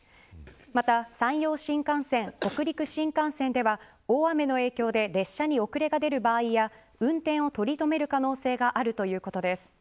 また山陽新幹線北陸新幹線では大雨の影響で列車に遅れが出る場合や運転を取りやめる可能性があるということです。